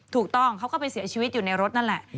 ถูกต้องเขาก็ไปเสียชีวิตอยู่ในรถนั่นแหละ